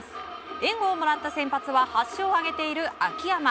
援護をもらった先発は８勝を挙げている秋山。